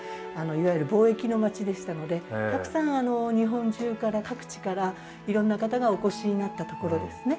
いわゆる貿易の町でしたのでたくさん日本中から各地から色んな方がお越しになったところですね